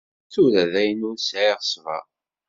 Tura dayen, ur sɛiɣ ṣṣber.